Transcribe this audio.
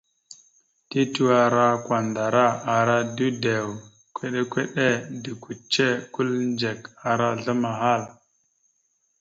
Tetʉwe ara kwandara, ara dʉdew, kʉɗe-kʉɗe, dʉkʉce, kʉlindzek, ara azzlam ahal.